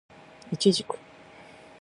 イチジク